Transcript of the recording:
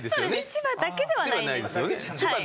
千葉だけではない。